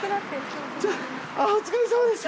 あぁお疲れさまです。